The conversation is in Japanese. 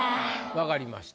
分かりました。